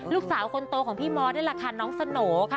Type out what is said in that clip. ลูกสาวคนโตของพี่มอสนี่แหละค่ะน้องสโหน่ค่ะ